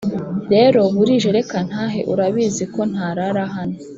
Rero burije reka ntahe urabizi ko ntarara hano